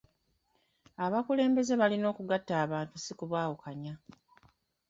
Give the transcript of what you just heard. Abakulembeze balina okugatta abantu si kubaawukanya.